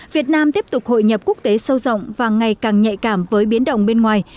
việt nam tiếp tục hội nhập quốc tế sâu rộng và ngày càng nhạy cảm với biến động bên ngoài